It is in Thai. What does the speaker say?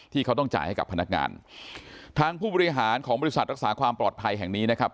ที่เขาต้องจ่ายให้กับพนักงานทางผู้บริหารของบริษัทรักษาความปลอดภัยแห่งนี้นะครับ